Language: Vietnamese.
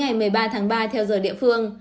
ngày một mươi ba tháng ba theo giờ địa phương